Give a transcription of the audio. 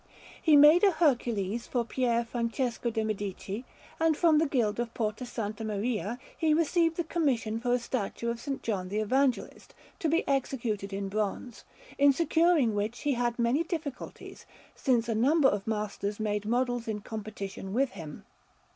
He made a Hercules for Pier Francesco de' Medici; and from the Guild of Porta Santa Maria he received the commission for a statue of S. John the Evangelist, to be executed in bronze, in securing which he had many difficulties, since a number of masters made models in competition with him.